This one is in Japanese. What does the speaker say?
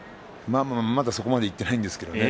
まだそこまでいっていないんですけどね。